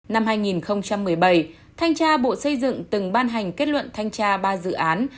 năm hai nghìn một mươi bảy thanh tra bộ xây dựng từng ban hành kết luận thanh tra ba dự án